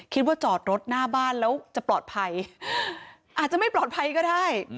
จอดรถหน้าบ้านแล้วจะปลอดภัยอาจจะไม่ปลอดภัยก็ได้